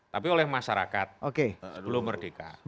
tapi oleh masyarakat sebelum merdeka